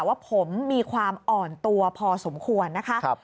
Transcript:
ว่าผมมีความอ่อนตัวพอสมควรนะคะ